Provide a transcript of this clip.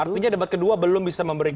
artinya debat kedua belum bisa memberikan